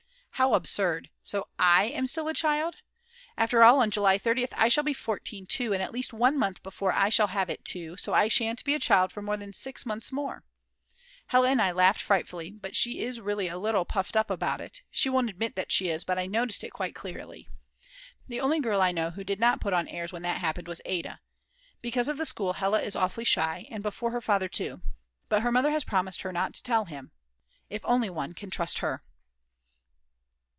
How absurd, so I am still a child! After all, on July 30th I shall be 14 too, and at least one month before I shall have it too, so I shan't be a child for more than six months more. Hella and I laughed frightfully, but she is really a little puffed up about it; she won't admit that she is, but I noticed it quite clearly. The only girl I know who did not put on airs when that happened was Ada. Because of the school Hella is awfully shy, and before her father too. But her mother has promised her not to tell him. If only one can trust her!!!